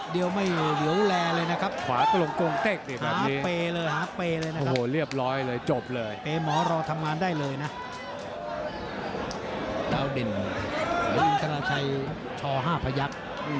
มักเดียวไม่เหลวแลเลยนะครับ